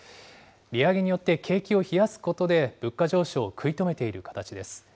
利上げによって景気を冷やすことで物価上昇を食い止めている形です。